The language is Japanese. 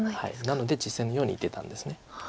なので実戦のように出たんです。